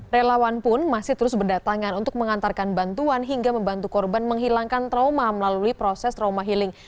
relawan pun masih terus berdatangan untuk mengantarkan bantuan hingga membantu korban menghilangkan trauma melalui proses trauma healing